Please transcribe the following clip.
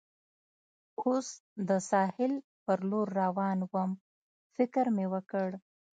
اوس د ساحل پر لور روان ووم، فکر مې وکړ.